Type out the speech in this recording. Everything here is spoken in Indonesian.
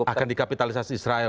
akan dikapitalisasi israel